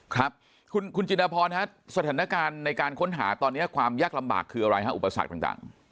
ครับคุณจินพรฮะสถานการณ์ในการค้นหาตอนนี้ความยากลำบากคืออะไรฮะอุปสรรคต่าง